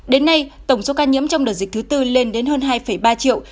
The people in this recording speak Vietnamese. đến nay tổng số ca nhiễm trong đợt dịch thứ tư lên đến hơn hai ba triệu